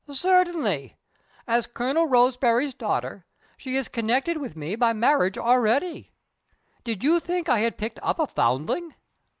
"Certainly! As Colonel Roseberry's daughter, she is connected with me by marriage already. Did you think I had picked up a foundling?"